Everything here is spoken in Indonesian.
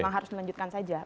memang harus dilanjutkan saja